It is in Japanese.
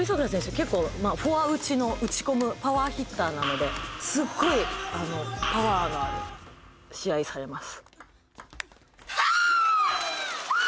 結構フォア打ちの打ち込むパワーヒッターなのですっごいパワーがある試合されます